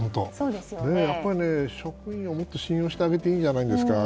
やっぱり職員をもっと信用してあげてもいいんじゃないんですか。